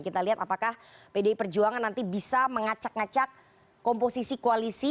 kita lihat apakah pdi perjuangan nanti bisa mengacak ngacak komposisi koalisi